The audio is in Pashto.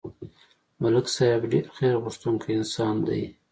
ملک صاحب ډېر خیرغوښتونکی انسان دی